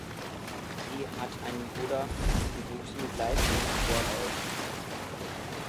Sie hat einen Bruder und wuchs mit Leistungssport auf.